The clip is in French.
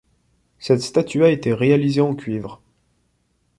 Cette statue a été réalisée en cuivre.